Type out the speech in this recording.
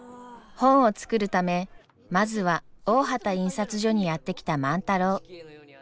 本を作るためまずは大畑印刷所にやって来た万太郎。